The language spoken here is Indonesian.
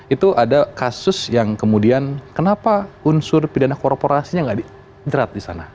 itu ada kasus yang kemudian kenapa unsur pidana korporasinya nggak dijerat di sana